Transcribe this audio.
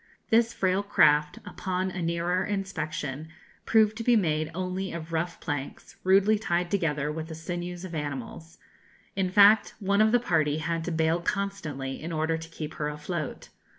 This frail craft, upon a nearer inspection, proved to be made only of rough planks, rudely tied together with the sinews of animals; in fact, one of the party had to bale constantly, in order to keep her afloat.